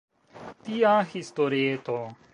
Tia historieto.